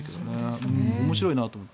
面白いなと思って。